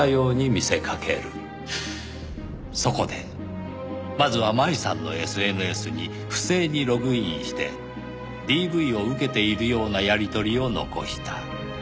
そこでまずは麻衣さんのＳＮＳに不正にログインしてＤＶを受けているようなやり取りを残した。